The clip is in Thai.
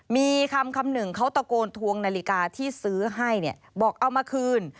มีคำหนึ่งเขาตะโกนทวงนาฬิกาที่ซื้อให้เนี่ยบอกเอามาคืน